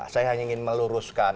saya hanya ingin meluruskan